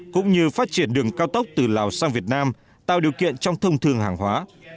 cũng như phát triển đường cao tốc từ lào sang việt nam tạo điều kiện trong thông thường hàng hóa